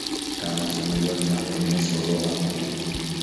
გამოცემული აქვს რამდენიმე სოლო ალბომი.